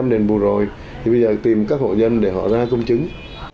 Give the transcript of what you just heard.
một trăm linh đền bù rồi thì bây giờ tìm các hội dân để họ ra công chứng